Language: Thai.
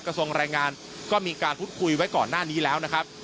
กระทรวงแรงงานก็มีการพูดคุยไว้ก่อนหน้านี้แล้วนะครับ